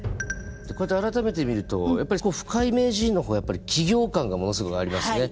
こうやって改めて見ると深井名人の方は企業感がものすごいありますね。